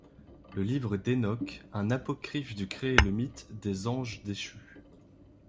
Le livre d'Hénoch, un apocryphe du crée le mythe des anges déchus.